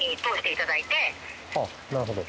あっなるほど。